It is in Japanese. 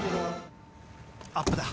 アップだ。